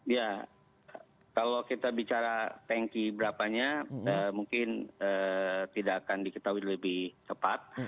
ya kalau kita bicara tanki berapanya mungkin tidak akan diketahui lebih cepat